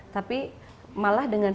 tapi malah dengan